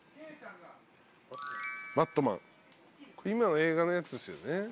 今の映画のやつですよね。